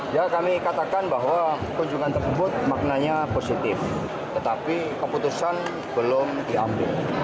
ya kami katakan bahwa kunjungan tersebut maknanya positif tetapi keputusan belum diambil